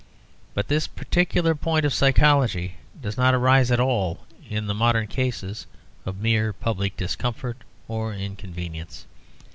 But this particular point of psychology does not arise at all in the modern cases of mere public discomfort or inconvenience.